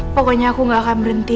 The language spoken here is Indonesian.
pokoknya aku gak akan berhenti